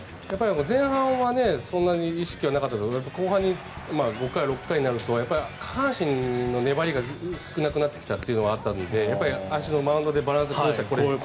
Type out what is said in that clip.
前半はそんなに意識はなかったんですが後半に５回、６回になると下半身の粘りが少なくなってきたというのはあるので足のマウンドでバランスを崩した。